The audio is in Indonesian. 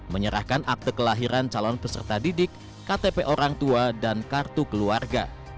menyerahkan akte kelahiran calon peserta didik ktp orang tua dan kartu keluarga